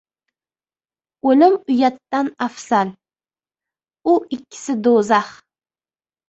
• O‘lim uyatdan afzal, u ikkisi — do‘zax.